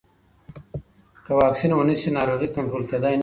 که واکسین ونه شي، ناروغي کنټرول کېدای نه شي.